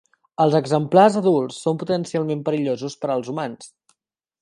Els exemplars adults són potencialment perillosos per als humans.